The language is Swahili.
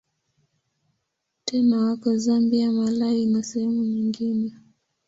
Tena wako Zambia, Malawi na sehemu nyingine.